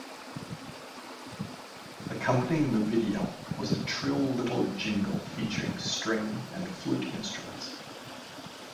Accompanying the video was a trill little jingle featuring string and flute instruments.